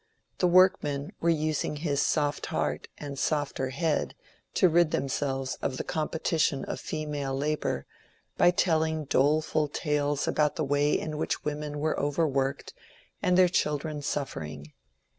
The workmen were using his soft heart and softer head to rid themselves of the com petition of female labour by telling doleful tales about the way in which women were overworked and their children suf fering.